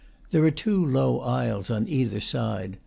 There are two low aisles on either side.